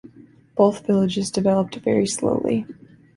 Both villages developed very slowly.